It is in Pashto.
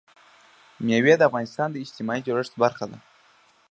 مېوې د افغانستان د اجتماعي جوړښت برخه ده.